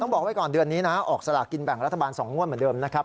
บอกไว้ก่อนเดือนนี้นะออกสลากกินแบ่งรัฐบาล๒งวดเหมือนเดิมนะครับ